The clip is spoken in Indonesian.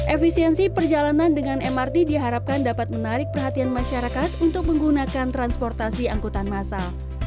efisiensi perjalanan dengan mrt diharapkan dapat menarik perhatian masyarakat untuk menggunakan transportasi angkutan masal